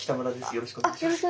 よろしくお願いします。